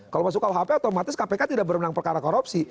kalau masuk kuhp otomatis kpk tidak berenang perkara korupsi